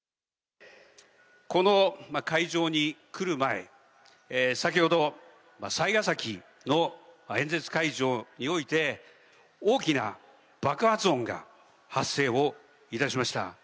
この会場に来る前、先ほど、雑賀崎の演説会場において、大きな爆発音が、発生をいたしました。